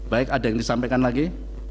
baik ada yang disampaikan lagi